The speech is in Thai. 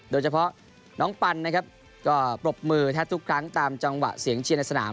โดยเฉพาะน้องปันนะครับก็ปรบมือแทบทุกครั้งตามจังหวะเสียงเชียร์ในสนาม